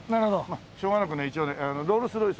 まあしょうがなく一応ねロールス・ロイス